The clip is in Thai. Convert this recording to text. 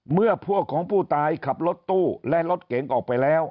เมื่อพวกของผู้ตายขับรถตู้และรถเก๋งออกไปแล้ว